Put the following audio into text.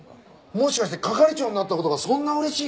もしかして係長になった事がそんな嬉しいの？